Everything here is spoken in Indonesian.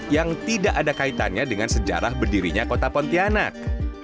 yang tidak ada kaitannya dengan sejarah berdirinya kota pontianak